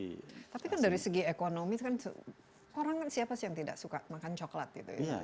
tapi kan dari segi ekonomi kan orang kan siapa sih yang tidak suka makan coklat gitu ya